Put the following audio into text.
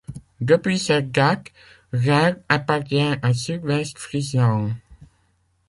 Depuis cette date, Raerd appartient à Súdwest-Fryslân.